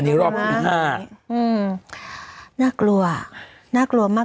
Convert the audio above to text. อันนี้รอบอันที่๕น่ากลัวน่ากลัวมาก